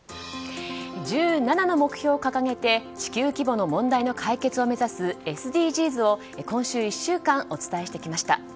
１７の目標を掲げて地球規模の問題の解決を目指すＳＤＧｓを今週１週間お伝えしてきました。